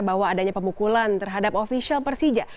bahwa adanya pemukulan terhadap ofisial persija